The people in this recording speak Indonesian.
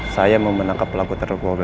saya mau menangkap pelaku tergolong